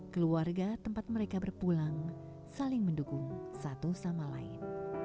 keluarga tempat mereka berpulang saling mendukung satu sama lain